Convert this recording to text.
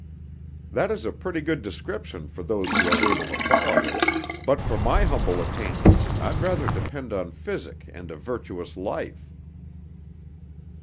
"That is a pretty good prescription for those who are able to follow it, but for my humble attainments I'd rather depend on physic and a virtuous life."